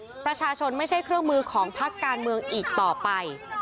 ประชาชนไม่ใช่เครื่องมือของพักการเมืองอีกต่อไป